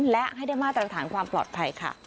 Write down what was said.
และให้ได้มาตรฐานความปลอดภัยค่ะ